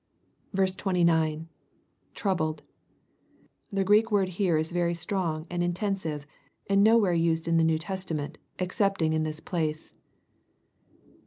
29. — [troubled.] The Greek word here is very strong and inten sive, and nowhere used in the New Testament) excepting in this place.